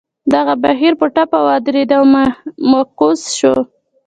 دغه بهیر په ټپه ودرېد او معکوس شو.